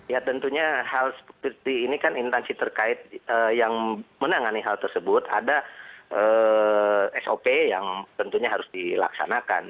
ya tentunya hal seperti ini kan intansi terkait yang menangani hal tersebut ada sop yang tentunya harus dilaksanakan